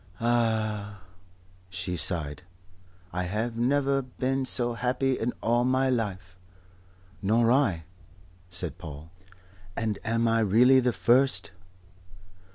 Ah!" she sighed. "I have never been so happy in my life." "Nor I," said Paul. "And am I really the first?"